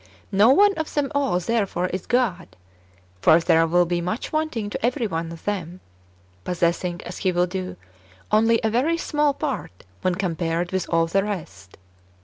No one of them all, therefore, is God. For there wdll be [much] wanting to every one of them, possessing [as he will do] only a very small part when compared with all the rest.